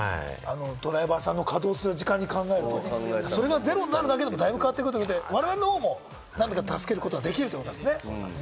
ドライバーさんの稼動する時間に考えると、それがゼロになるだけでも大分変わってくるということで、我々も助ける事ができるということですね。